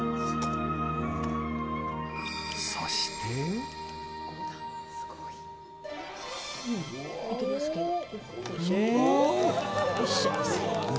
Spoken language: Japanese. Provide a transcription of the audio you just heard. そして。いきますか。